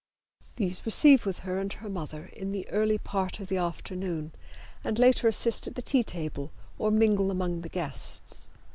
These receive with her and her mother in the early part of the afternoon and later assist at the tea table or mingle among the guests.